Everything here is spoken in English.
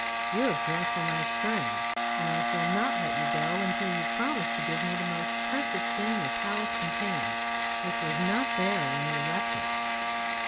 'You have drunk from my spring, and I shall not let you go until you promise to give me the most precious thing your palace contains, which was not there when you left it.